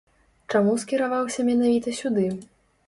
Чаму скіраваўся менавіта сюды?